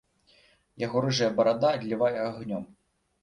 Яго рыжая барада адлівае агнём.